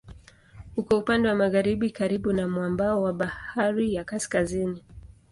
Uko upande wa magharibi karibu na mwambao wa Bahari ya Kaskazini.